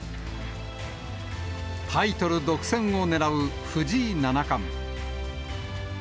タイトル独占を狙う藤井七冠。